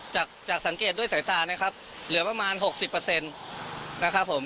จากจากสังเกตด้วยสายตานะครับเหลือประมาณหกสิบเปอร์เซ็นต์นะครับผม